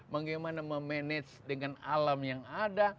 bagaimana memanage dengan alam yang ada